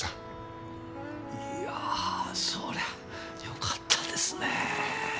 いやぁそれはよかったですね。